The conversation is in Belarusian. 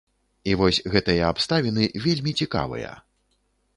І вось гэтыя абставіны вельмі цікавыя.